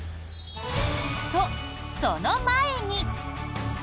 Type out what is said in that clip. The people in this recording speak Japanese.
と、その前に。